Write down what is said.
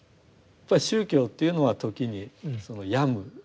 やっぱり宗教っていうのは時に病む。